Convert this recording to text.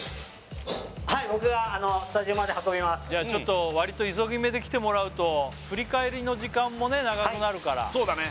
はい僕がスタジオまで運びますじゃあちょっとわりと急ぎめで来てもらうと振り返りの時間もね長くなるからそうだね